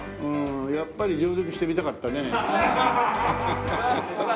うーんやっぱり上陸してみたかったね。